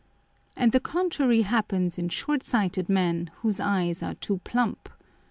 And the contrary happens in short sighted Men whose Eyes are too plump.